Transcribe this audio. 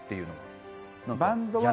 バンドは。